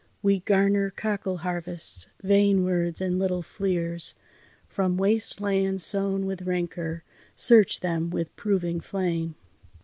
We garner cockle harvests, vain words and little fleers. From waste lands sown with rancour, search them with proving flame!